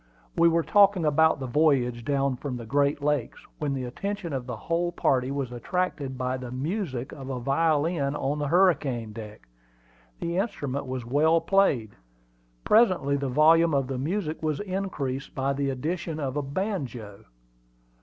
We were talking about the voyage down from the Great Lakes, when the attention of the whole party was attracted by the music of a violin on the hurricane deck. The instrument was well played. Presently the volume of the music was increased by the addition of a banjo.